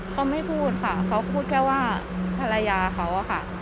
เขาไม่พูดค่ะเขาพูดแค่ว่าภรรยาเขาอะค่ะ